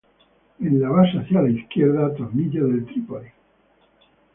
En la base hacia al izquierda tornillo del trípode.